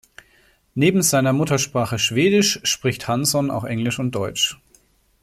Neben seiner Muttersprache Schwedisch spricht Hansson auch Englisch und Deutsch.